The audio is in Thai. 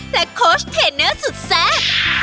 และโค้ชเทนเนอร์สุดแซ่บ